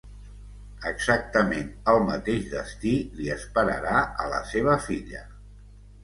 Exactament el mateix destí li esperarà a la seva filla.